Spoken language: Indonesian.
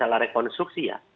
masalah rekonstruksi ya